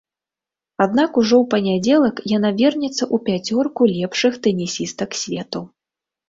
Аднак ужо ў панядзелак яна вернецца ў пяцёрку лепшых тэнісістак свету.